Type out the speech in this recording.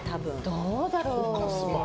どうだろう。